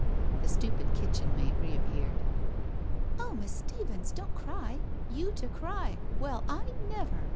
The stupid kitchen maid reappeared. 'Oh, Miss Stephens, don't cry. You to cry! Well, I never!